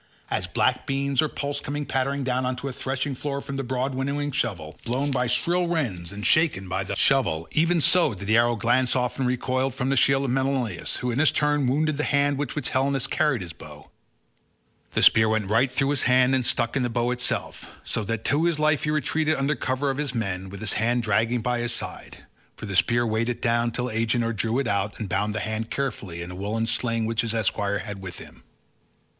As black beans or pulse come pattering down on to a threshing floor from the broad winnowing shovel, blown by shrill winds and shaken by the shovel—even so did the arrow glance off and recoil from the shield of Menelaus, who in his turn wounded the hand with which Helenus carried his bow; the spear went right through his hand and stuck in the bow itself, so that to his life he retreated under cover of his men, with his hand dragging by his side—for the spear weighed it down till Agenor drew it out and bound the hand carefully up in a woollen sling which his esquire had with him.